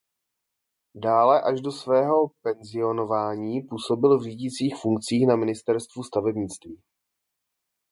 Dále až do svého penzionování působil v řídicích funkcích na ministerstvu stavebnictví.